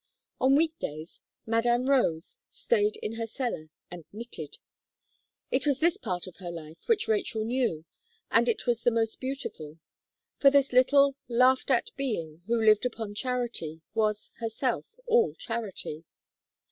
On week days, Madame Rose stayed in her cellar, and knitted. It was this part of her life which Rachel knew, and it was the most beautiful; for this little, laughed at being, who lived upon charity, was, herself, all charity.